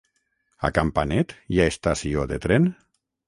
A Campanet hi ha estació de tren?